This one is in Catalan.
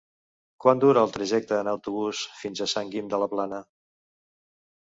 Quant dura el trajecte en autobús fins a Sant Guim de la Plana?